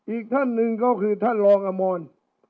อีกท่านหนึ่งก็คือท่านรองอมร